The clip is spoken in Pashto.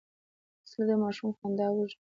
وسله د ماشوم خندا وژني